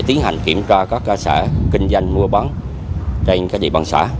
tiến hành kiểm tra các cơ sở kinh doanh mua bán trên các địa bàn xã